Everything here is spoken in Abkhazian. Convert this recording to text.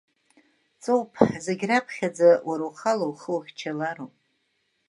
Ҵоуп, зегьраԥхьаӡа уара ухала ухы ухьчалароуп…